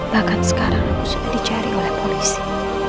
bahkan sekarang aku sudah dicari oleh polisi